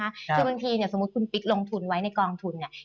คือบางทีเนี่ยสมมุติคุณปิ๊กลงทุนไว้ในกองทุนเนี่ย